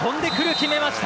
決めました。